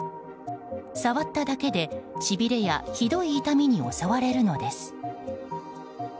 触っただけで、しびれやひどい痛みに襲われるのです。